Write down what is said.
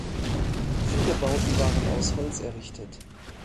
Viele Bauten waren aus Holz errichtet.